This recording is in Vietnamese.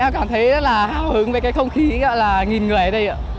em cảm thấy rất là hào hứng với cái không khí gọi là nghìn người ở đây ạ